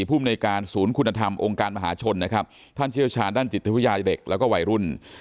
ภูมิในการศูนย์คุณธรรมองค์การมหาชนนะครับท่านเชี่ยวชาญด้านจิตวิทยาเด็กแล้วก็วัยรุ่น